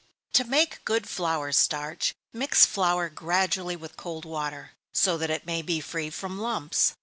_ To make good flour starch, mix flour gradually with cold water, so that it may be free from lumps.